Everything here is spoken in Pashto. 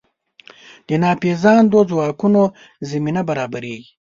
د ناپېژاندو ځواکونو زمینه برابرېږي.